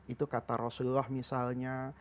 itu kata rasulullah misalnya